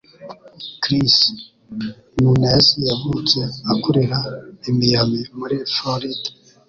Chris Nunez yavutse akurira i Miami, muri Floride.